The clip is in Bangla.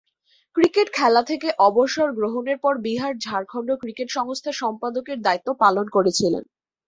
ক্রিকেট খেলা থেকে অবসর গ্রহণের পর বিহার ঝাড়খণ্ড ক্রিকেট সংস্থার সম্পাদকের দায়িত্ব পালন করেছিলেন।